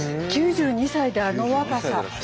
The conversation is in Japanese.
９２歳であの若さ。